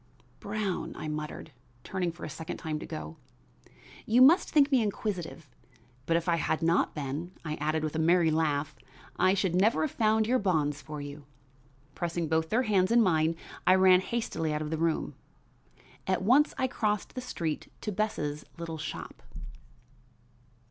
"Brown," I muttered, turning for a second time to go. "You must think me inquisitive, but if I had not been," I added with a merry laugh, "I should never have found your bonds for you." Pressing both their hands in mine I ran hastily out of the room. At once I crossed the street to Bess' little shop.